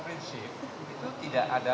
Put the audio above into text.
prinsip itu tidak ada